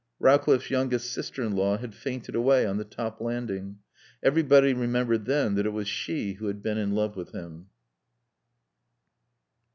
Rowcliffe's youngest sister in law had fainted away on the top landing. Everybody remembered then that it was she who had been in love with him.